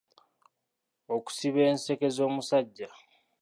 Okusiba enseke z’omusajja.